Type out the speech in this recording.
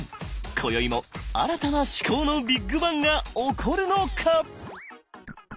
こよいも新たな思考のビッグバンが起こるのか！？